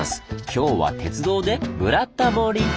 今日は鉄道で「ブラタモリ」！